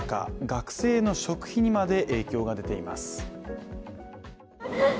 学生の食費にまで影響が出ています。